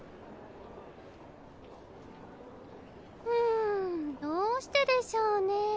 うんどうしてでしょうね？